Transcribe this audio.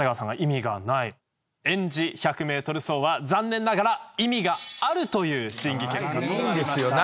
演じ１００ｍ走は残念ながら意味があるという審議結果となりました。